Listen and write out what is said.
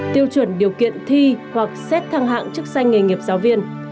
tiêu chuẩn điều kiện thi hoặc xét thăng hãng chức sanh nghề nghiệp giáo viên